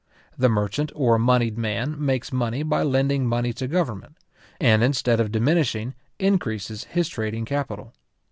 The merchant or monied man makes money by lending money to government, and instead of diminishing, increases his trading capital.